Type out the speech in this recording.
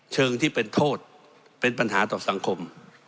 เชิงที่เป็นโทษเป็นปัญหาต่อสังคม